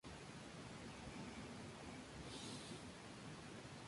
De forma análoga se hizo con los dos últimos de cada grupo.